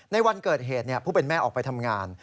ในวันเกิดเหตุผู้เป็นแม่ออกไปทำงาน